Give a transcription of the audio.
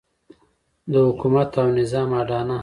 د حکومت او نظام اډانه.